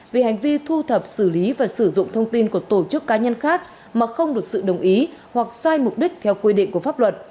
vì hành vi thu thập xử lý và sử dụng thông tin của tổ chức cá nhân khác mà không được sự đồng ý hoặc sai mục đích theo quy định của pháp luật